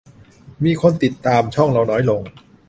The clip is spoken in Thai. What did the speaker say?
มีคนกดติดตามช่องเราน้อยลง